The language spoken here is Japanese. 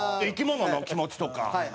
生き物の気持ちとか。